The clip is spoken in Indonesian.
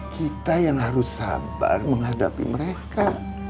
kita yang harus sabar menghadapi mereka